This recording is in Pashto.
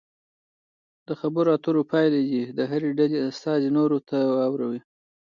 د خبرو اترو پایله دې د هرې ډلې استازي نورو ته واوروي.